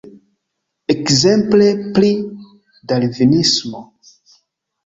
Ekzemple pri Darvinismo.